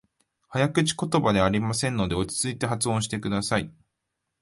早口言葉ではありませんので、落ち着いて発音してください。